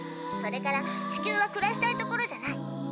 それから地球は暮らしたい所じゃない。